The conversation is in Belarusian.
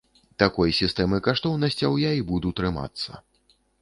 Такой сістэмы каштоўнасцяў я і буду трымацца.